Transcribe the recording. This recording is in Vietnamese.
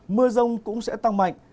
mưa rông cũng sẽ tăng mạnh